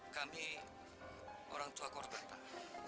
kami orang tua korban pak